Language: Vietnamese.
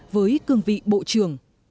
với cương vị bộ trưởng